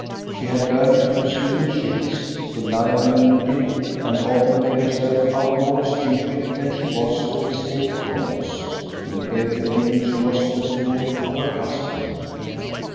She had learned to use mean shifts, to lie when needed, and often made herself out more stupid than she was to escape taunts. In everything she was the tool of her husband.